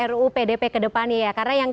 ruu pdp kedepannya ya karena yang